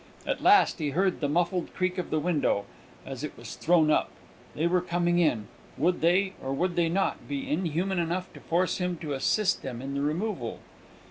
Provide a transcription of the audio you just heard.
At last he heard the muffled creak of the window, as it was thrown up. They were coming in! Would they, or would they not, be inhuman enough to force him to assist them in the removal?